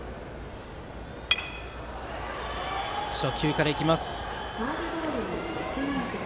初球から行きます。